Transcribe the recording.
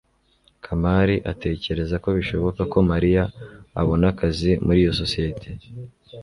kamali atekereza ko bishoboka ko mariya abona akazi muri iyo sosiyete